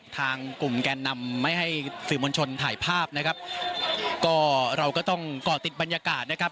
ทางกลุ่มแกนนำไม่ให้สื่อมวลชนถ่ายภาพนะครับก็เราก็ต้องก่อติดบรรยากาศนะครับ